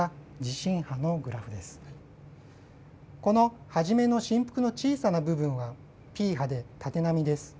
この初めの振幅の小さな部分はＰ波で縦波です。